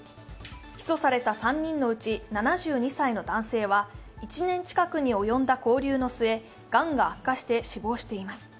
起訴された３人のうち７２歳の男性は１年近くに及んだ勾留の末、がんが悪化して死亡しています。